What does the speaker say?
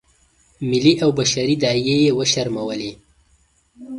ملي او بشري داعیې یې وشرمولې.